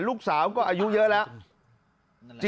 ลูกสาวก็อายุเยอะแล้ว